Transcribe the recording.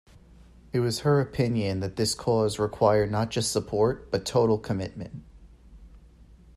It was her opinion that this cause required not just support but total commitment.